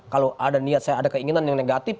kalau ada niat saya ada keinginan yang negatif